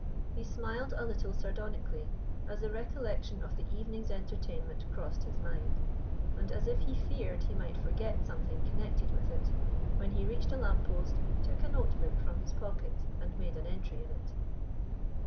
He smiled a little sardonically as the recollection of the evening's entertainment crossed his mind, and, as if he feared he might forget something connected with it, when he reached a lamp post, took a note book from his pocket and made an entry in it.